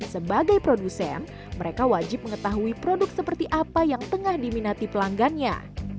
sebagai produsen mereka wajib mengetahui produk seperti apa yang tengah diminati pelanggannya